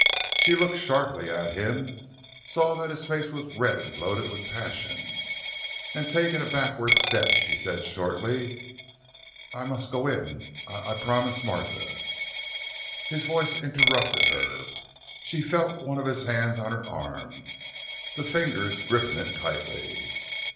She looked sharply at him, saw that his face was red and bloated with passion and, taking a backward step, she said shortly: "I must go in. I—I promised Martha——" His voice interrupted her; she felt one of his hands on her arm, the fingers gripping it tightly.